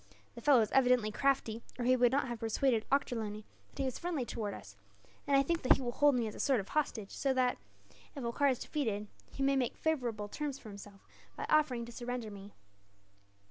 The fellow is evidently crafty, or he would not have persuaded Ochterlony that he was friendly towards us; and I think he will hold me as a sort of hostage so that, if Holkar is defeated, he may make favourable terms for himself by offering to surrender me."